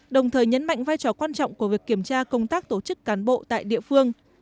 đồng thời nhấn mạnh vai trò quan trọng của việc kiểm tra công tác tổ chức cán bộ tại địa phương